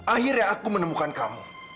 akhirnya aku menemukan kamu